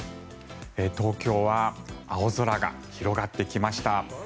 東京は青空が広がってきました。